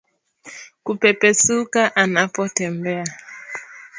Kupepesuka anapotembea